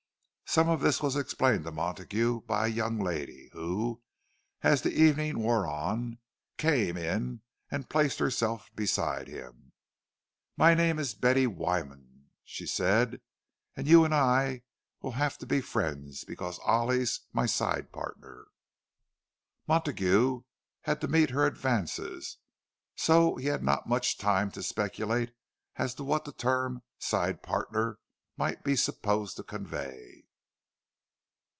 Some of this was explained to Montague by a young lady, who, as the evening wore on, came in and placed herself beside him. "My name is Betty Wyman," she said, "and you and I will have to be friends, because Ollie's my side partner." Montague had to meet her advances; so had not much time to speculate as to what the term "side partner" might be supposed to convey.